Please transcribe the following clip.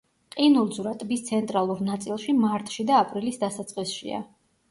ყინულძვრა ტბის ცენტრალურ ნაწილში მარტში და აპრილის დასაწყისშია.